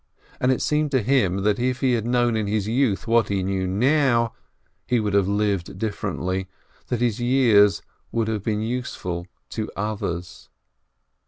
And it seemed to him that if he had known in his youth what he knew now, he would have lived differently, that his years would have been useful to others.